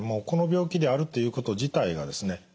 この病気であるということ自体がですね